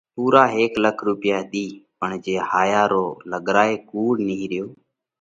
پُورا هيڪ لاک رُوپِيا ۮِيه پڻ جي هايا ۾ لڳرائي ڪُوڙ نِيهريو